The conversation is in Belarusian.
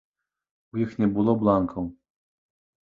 У іх не было бланкаў.